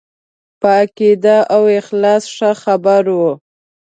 په عقیده او اخلاص ښه خبر وو.